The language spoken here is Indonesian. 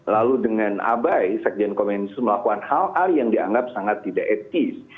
lalu dengan abai sekjen komensu melakukan hal hal yang dianggap sangat tidak etis